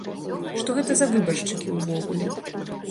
Што гэта за выбаршчыкі ўвогуле?